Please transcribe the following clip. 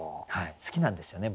好きなんですよね